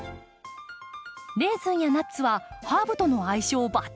レーズンやナッツはハーブとの相性バッチリ！